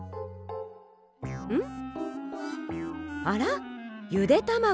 あら？